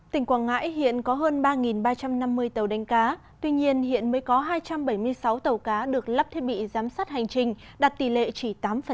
tỉnh quảng ngãi hiện có hơn ba ba trăm năm mươi tàu đánh cá tuy nhiên hiện mới có hai trăm bảy mươi sáu tàu cá được lắp thiết bị giám sát hành trình đạt tỷ lệ chỉ tám